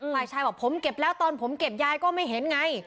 ฝ่ายชายบอกผมเก็บแล้วตอนผมเก็บยายก็ไม่เห็นไง